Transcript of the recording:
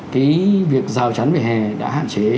cái việc rào chắn vỉa hè đã hạn chế